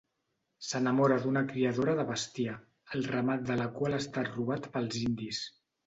S'enamora d’una criadora de bestiar, el ramat de la qual ha estat robat pels indis.